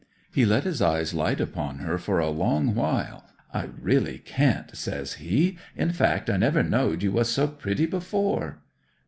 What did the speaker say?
'He let his eyes light upon her for a long while. "I really can't," says he. "In fact, I never knowed you was so pretty before!"